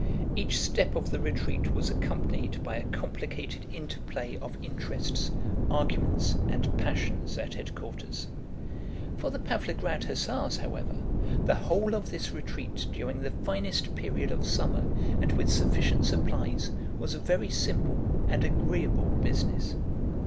Each step of the retreat was accompanied by a complicated interplay of interests, arguments, and passions at headquarters. For the Pávlograd hussars, however, the whole of this retreat during the finest period of summer and with sufficient supplies was a very simple and agreeable business.